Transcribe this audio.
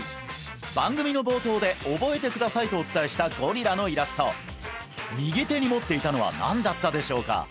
番組の冒頭で「覚えてください」とお伝えしたゴリラのイラスト右手に持っていたのは何だったでしょうか？